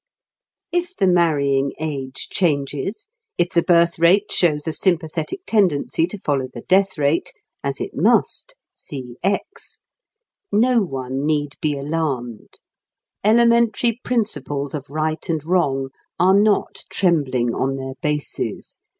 If the marrying age changes, if the birth rate shows a sympathetic tendency to follow the death rate (as it must see "X"), no one need be alarmed. Elementary principles of right and wrong are not trembling on their bases.